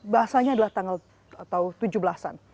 bahasanya adalah tanggal atau tujuh belas an